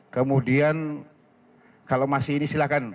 kemudian kalau masih ini silahkan